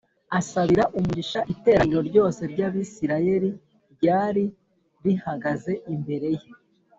asabira umugisha iteraniro ryose ry’Abisirayeli ryari rihagaze imbere ye